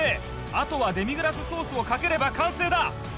「あとはデミグラスソースをかければ完成だ！」